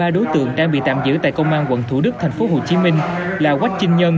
ba đối tượng đang bị tạm giữ tại công an quận thủ đức tp hcm là quách chinh nhân